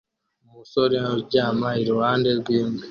Umusore uryamye iruhande rwimbwa